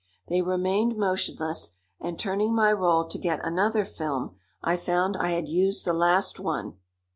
They remained motionless, and turning my roll to get another film, I found I had used the last one.